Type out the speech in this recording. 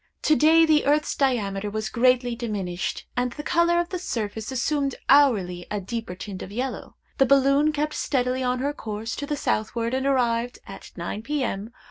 To day the earth's diameter was greatly diminished, and the color of the surface assumed hourly a deeper tint of yellow. The balloon kept steadily on her course to the southward, and arrived, at nine P.M.